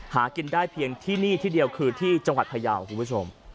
หากินได้เพียงที่นี่ที่เดียวคือที่จังหวัดพยาวคุณผู้ชม